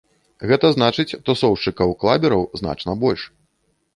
Гэта значыць, тусоўшчыкаў-клабераў значна больш.